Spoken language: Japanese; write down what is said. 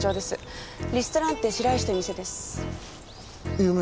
リストランテ白石という店です。